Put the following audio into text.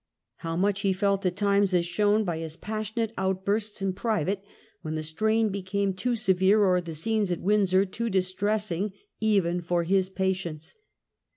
How much he felt at times is shown by his passionate outbursts in private, when the strain became too severe or the scenes at Windsor too distressing even for his patience.